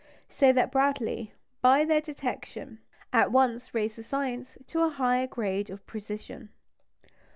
So that Bradley, by their detection, at once raised the science to a higher grade of precision.